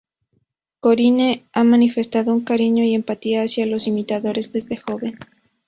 Korine ha manifestado un cariño y empatía hacia los imitadores desde joven.